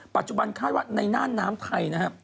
ปัจจุบันคาดว่าในหน้าน้ำไทยนะครับ